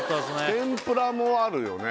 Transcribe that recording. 天ぷらもあるよね